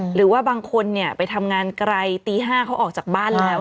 หรือว่าบางคนไปทำงานไกลตี๕เขาออกจากบ้านแล้ว